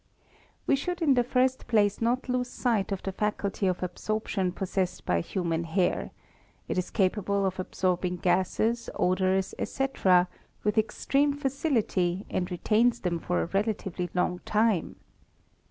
We should in the first place not lose sight of the faculty of absorption possessed by human hair; it is capable af absorbing gases, odours, ete., — with extreme facility and retains them for a relatively long time.